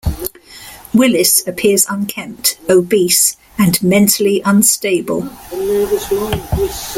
Willis appears unkempt, obese and mentally unstable.